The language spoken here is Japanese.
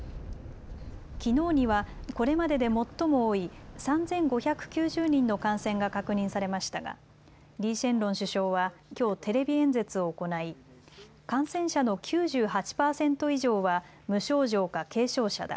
きのうには、これまでで最も多い３５９０人の感染が確認されましたがリー・シェンロン首相はきょうテレビ演説を行い、感染者の９８％以上は無症状か軽症者だ。